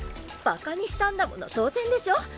バカにしたんだもの当然でしょ。